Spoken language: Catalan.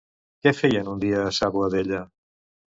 Què feien un dia a sa Boadella?